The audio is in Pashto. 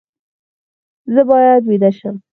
زه باید ویده شم